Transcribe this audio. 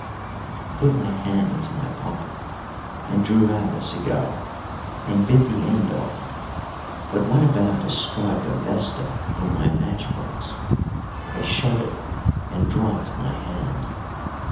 I put my hand into my pocket and drew out a cigar, and bit the end off; but when about to strike a vesta on my matchbox, I shuddered and dropped my hand.